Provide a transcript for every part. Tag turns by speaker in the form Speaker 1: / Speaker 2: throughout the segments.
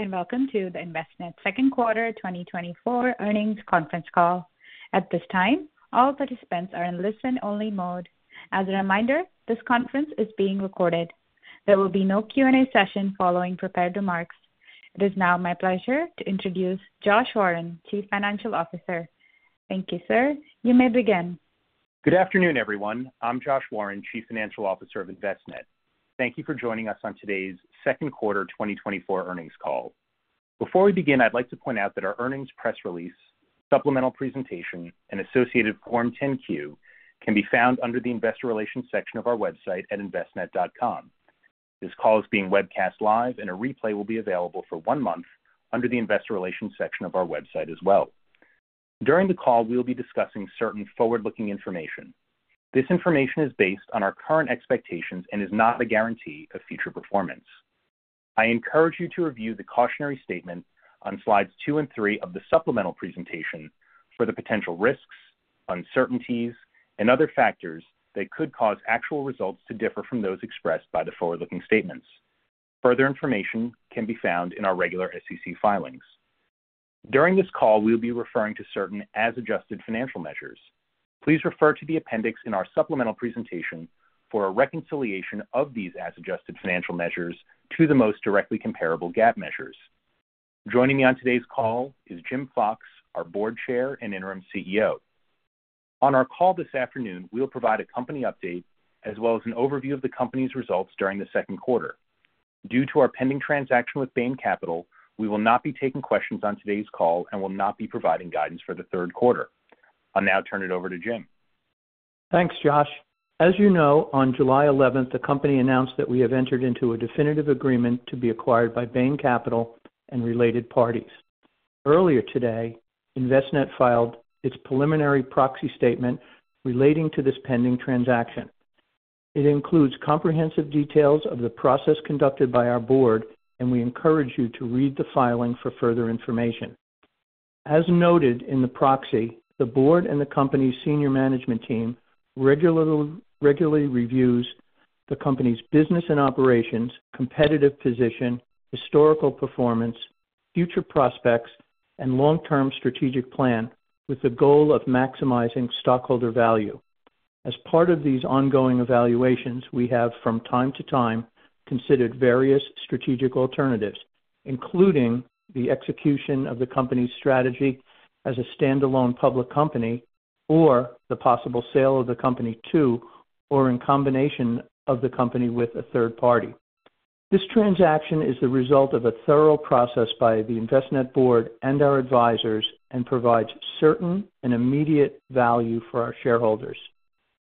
Speaker 1: Hello, and welcome to the Envestnet second quarter 2024 earnings conference call. At this time, all participants are in listen-only mode. As a reminder, this conference is being recorded. There will be no Q&A session following prepared remarks. It is now my pleasure to introduce Josh Warren, Chief Financial Officer. Thank you, sir. You may begin.
Speaker 2: Good afternoon, everyone. I'm Josh Warren, Chief Financial Officer of Envestnet. Thank you for joining us on today's second quarter 2024 earnings call. Before we begin, I'd like to point out that our earnings press release, supplemental presentation, and associated Form 10-Q can be found under the Investor Relations section of our website at envestnet.com. This call is being webcast live, and a replay will be available for one month under the Investor Relations section of our website as well. During the call, we will be discussing certain forward-looking information. This information is based on our current expectations and is not a guarantee of future performance. I encourage you to review the cautionary statement on slides two and three of the supplemental presentation for the potential risks, uncertainties, and other factors that could cause actual results to differ from those expressed by the forward-looking statements. Further information can be found in our regular SEC filings. During this call, we'll be referring to certain as adjusted financial measures. Please refer to the appendix in our supplemental presentation for a reconciliation of these as adjusted financial measures to the most directly comparable GAAP measures. Joining me on today's call is Jim Fox, our Board Chair and Interim CEO. On our call this afternoon, we'll provide a company update as well as an overview of the company's results during the second quarter. Due to our pending transaction with Bain Capital, we will not be taking questions on today's call and will not be providing guidance for the third quarter. I'll now turn it over to Jim.
Speaker 3: Thanks, Josh. As you know, on July 11, the company announced that we have entered into a definitive agreement to be acquired by Bain Capital and related parties. Earlier today, Envestnet filed its preliminary proxy statement relating to this pending transaction. It includes comprehensive details of the process conducted by our board, and we encourage you to read the filing for further information. As noted in the proxy, the board and the company's senior management team regularly reviews the company's business and operations, competitive position, historical performance, future prospects, and long-term strategic plan with the goal of maximizing stockholder value. As part of these ongoing evaluations, we have, from time to time, considered various strategic alternatives, including the execution of the company's strategy as a standalone public company, or the possible sale of the company to or in combination of the company with a third party. This transaction is the result of a thorough process by the Envestnet board and our advisors and provides certain and immediate value for our shareholders.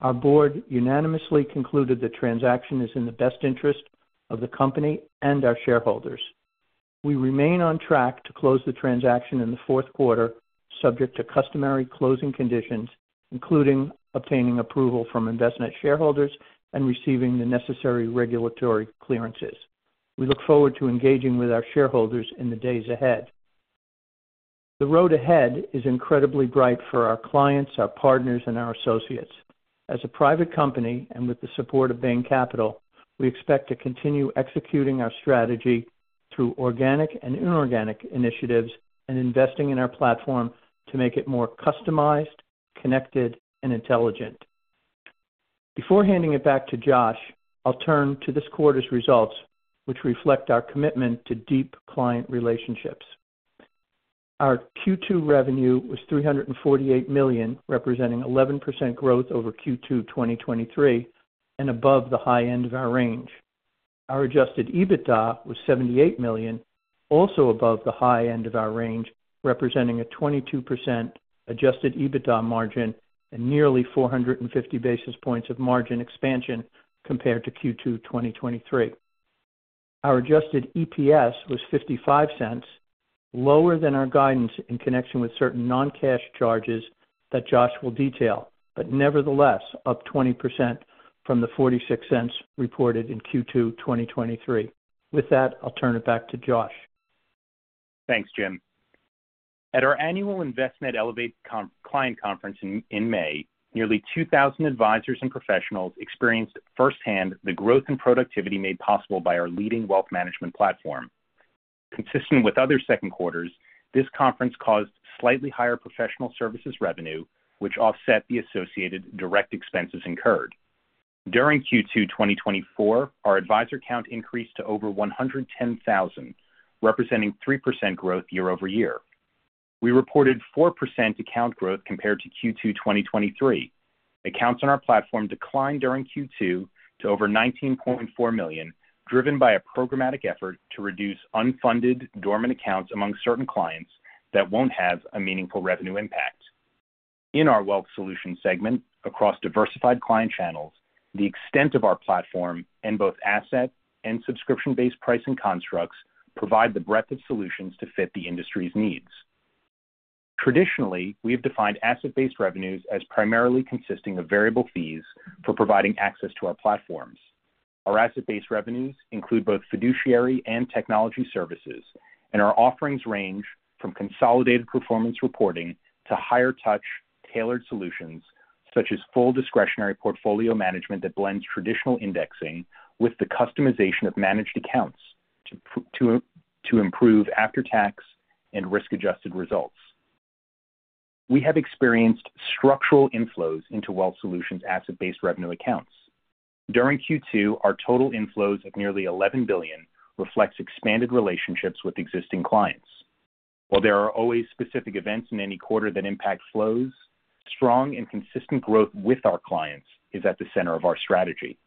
Speaker 3: Our board unanimously concluded the transaction is in the best interest of the company and our shareholders. We remain on track to close the transaction in the fourth quarter, subject to customary closing conditions, including obtaining approval from Envestnet shareholders and receiving the necessary regulatory clearances. We look forward to engaging with our shareholders in the days ahead. The road ahead is incredibly bright for our clients, our partners, and our associates. As a private company and with the support of Bain Capital, we expect to continue executing our strategy through organic and inorganic initiatives and investing in our platform to make it more customized, connected, and intelligent. Before handing it back to Josh, I'll turn to this quarter's results, which reflect our commitment to deep client relationships. Our Q2 revenue was $348 million, representing 11% growth over Q2 2023, and above the high end of our range. Our adjusted EBITDA was $78 million, also above the high end of our range, representing a 22% adjusted EBITDA margin and nearly 450 basis points of margin expansion compared to Q2 2023. Our adjusted EPS was $0.55, lower than our guidance in connection with certain non-cash charges that Josh will detail, but nevertheless up 20% from the $0.46 reported in Q2 2023. With that, I'll turn it back to Josh.
Speaker 2: Thanks, Jim. At our annual Envestnet Elevate client conference in May, nearly 2,000 advisors and professionals experienced firsthand the growth and productivity made possible by our leading wealth management platform. Consistent with other second quarters, this conference caused slightly higher professional services revenue, which offset the associated direct expenses incurred. During Q2 2024, our advisor count increased to over 110,000, representing 3% growth year-over-year. We reported 4% account growth compared to Q2 2023. Accounts on our platform declined during Q2 to over 19.4 million, driven by a programmatic effort to reduce unfunded dormant accounts among certain clients that won't have a meaningful revenue impact. In our Wealth Solutions segment, across diversified client channels, the extent of our platform in both asset and subscription-based pricing constructs provide the breadth of solutions to fit the industry's needs. Traditionally, we have defined asset-based revenues as primarily consisting of variable fees for providing access to our platforms. Our asset-based revenues include both fiduciary and technology services, and our offerings range from consolidated performance reporting to higher touch, tailored solutions, such as full discretionary portfolio management that blends traditional indexing with the customization of managed accounts to improve after-tax and risk-adjusted results. We have experienced structural inflows into Wealth Solutions asset-based revenue accounts. During Q2, our total inflows of nearly $11 billion reflects expanded relationships with existing clients. While there are always specific events in any quarter that impact flows, strong and consistent growth with our clients is at the center of our strategy.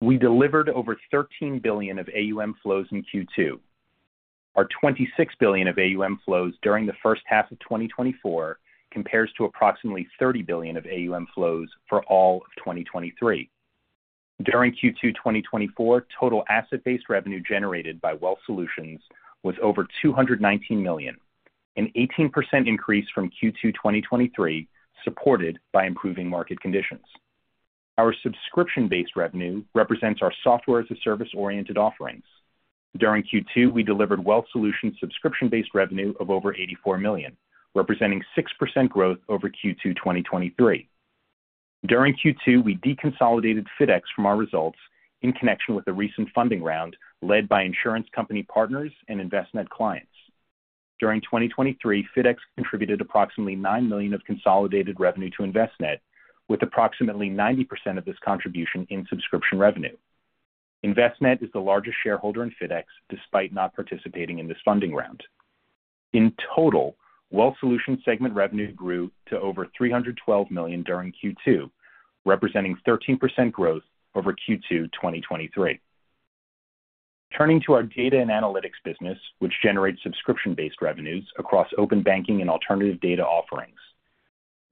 Speaker 2: We delivered over $13 billion of AUM flows in Q2. Our $26 billion of AUM flows during the first half of 2024 compares to approximately $30 billion of AUM flows for all of 2023. During Q2 2024, total asset-based revenue generated by Wealth Solutions was over $219 million, an 18% increase from Q2 2023, supported by improving market conditions. Our subscription-based revenue represents our software-as-a-service-oriented offerings. During Q2, we delivered Wealth Solutions subscription-based revenue of over $84 million, representing 6% growth over Q2 2023. During Q2, we deconsolidated FIDx from our results in connection with the recent funding round led by insurance company partners and Envestnet clients. During 2023, FIDx contributed approximately $9 million of consolidated revenue to Envestnet, with approximately 90% of this contribution in subscription revenue. Envestnet is the largest shareholder in FIDx, despite not participating in this funding round. In total, Wealth Solutions segment revenue grew to over $312 million during Q2, representing 13% growth over Q2 2023. Turning to our Data & Analytics business, which generates subscription-based revenues across open banking and alternative data offerings.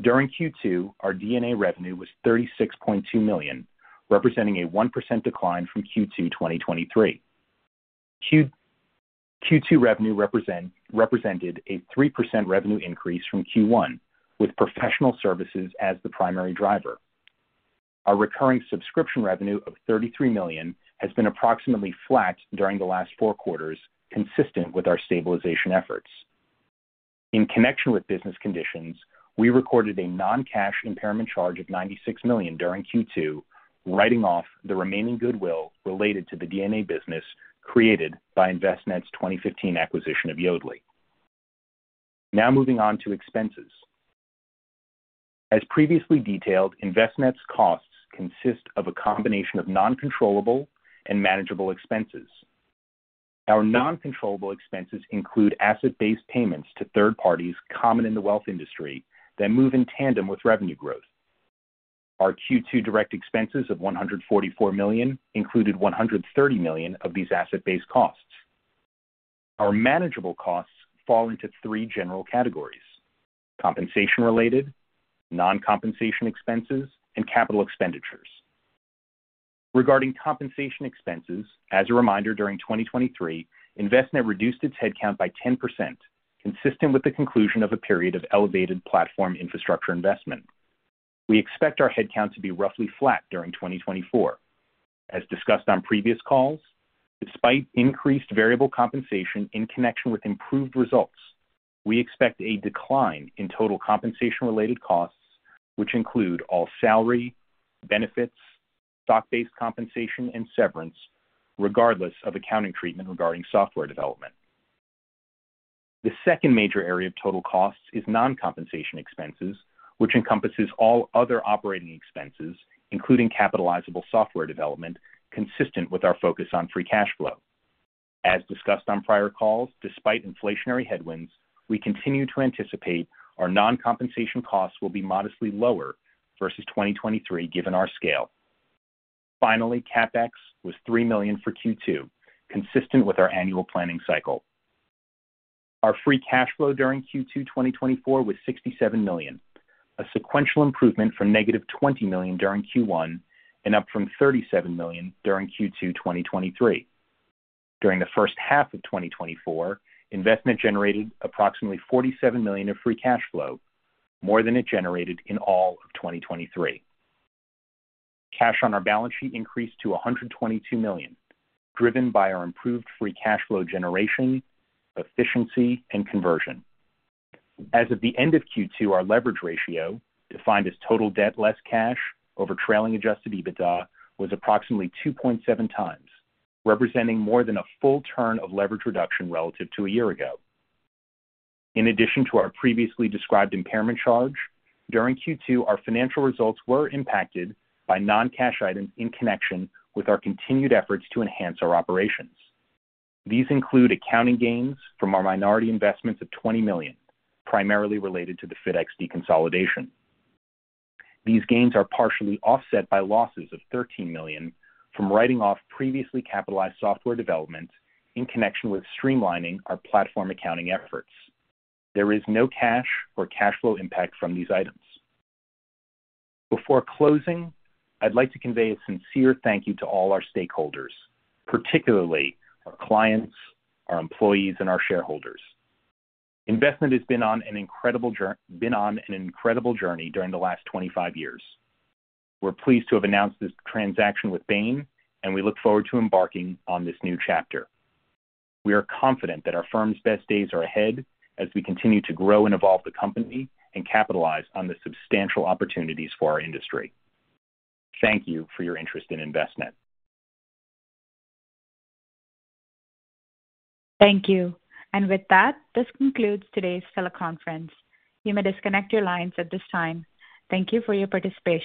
Speaker 2: During Q2, our D&A revenue was $36.2 million, representing a 1% decline from Q2 2023. Q2 revenue represented a 3% revenue increase from Q1, with professional services as the primary driver. Our recurring subscription revenue of $33 million has been approximately flat during the last four quarters, consistent with our stabilization efforts. In connection with business conditions, we recorded a non-cash impairment charge of $96 million during Q2, writing off the remaining goodwill related to the D&A business created by Envestnet's 2015 acquisition of Yodlee. Now moving on to expenses. As previously detailed, Envestnet's costs consist of a combination of non-controllable and manageable expenses. Our non-controllable expenses include asset-based payments to third parties common in the wealth industry that move in tandem with revenue growth. Our Q2 direct expenses of $144 million included $130 million of these asset-based costs. Our manageable costs fall into three general categories: compensation-related, non-compensation expenses, and capital expenditures. Regarding compensation expenses, as a reminder, during 2023, Envestnet reduced its headcount by 10%, consistent with the conclusion of a period of elevated platform infrastructure investment. We expect our headcount to be roughly flat during 2024. As discussed on previous calls, despite increased variable compensation in connection with improved results, we expect a decline in total compensation-related costs, which include all salary, benefits, stock-based compensation, and severance, regardless of accounting treatment regarding software development. The second major area of total costs is non-compensation expenses, which encompasses all other operating expenses, including capitalizable software development, consistent with our focus on free cash flow. As discussed on prior calls, despite inflationary headwinds, we continue to anticipate our non-compensation costs will be modestly lower versus 2023, given our scale. Finally, CapEx was $3 million for Q2, consistent with our annual planning cycle. Our free cash flow during Q2 2024 was $67 million, a sequential improvement from -$20 million during Q1 and up from $37 million during Q2 2023. During the first half of 2024, Envestnet generated approximately $47 million of free cash flow, more than it generated in all of 2023. Cash on our balance sheet increased to $122 million, driven by our improved free cash flow generation, efficiency, and conversion. As of the end of Q2, our leverage ratio, defined as total debt less cash over trailing Adjusted EBITDA, was approximately 2.7 times, representing more than a full turn of leverage reduction relative to a year ago. In addition to our previously described impairment charge, during Q2, our financial results were impacted by non-cash items in connection with our continued efforts to enhance our operations. These include accounting gains from our minority investments of $20 million, primarily related to the FIDx deconsolidation. These gains are partially offset by losses of $13 million from writing off previously capitalized software development in connection with streamlining our platform accounting efforts. There is no cash or cash flow impact from these items. Before closing, I'd like to convey a sincere thank you to all our stakeholders, particularly our clients, our employees, and our shareholders. Envestnet has been on an incredible journey during the last 25 years. We're pleased to have announced this transaction with Bain, and we look forward to embarking on this new chapter. We are confident that our firm's best days are ahead as we continue to grow and evolve the company and capitalize on the substantial opportunities for our industry. Thank you for your interest in Envestnet.
Speaker 1: Thank you. With that, this concludes today's teleconference. You may disconnect your lines at this time. Thank you for your participation.